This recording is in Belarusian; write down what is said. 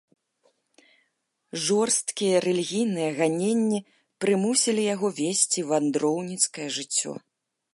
Жорсткія рэлігійныя ганенні прымусілі яго весці вандроўніцкае жыццё.